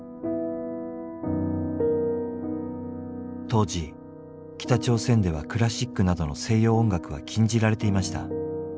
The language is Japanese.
当時北朝鮮ではクラシックなどの西洋音楽は禁じられていました。